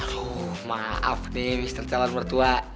aduh maaf nih mister calon bertua